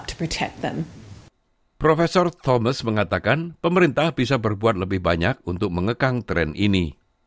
tidak hanya menggunakan alasan terbesar tapi juga untuk mengekang tren ini